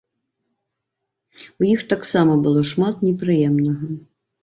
У іх таксама было шмат непрыемнага.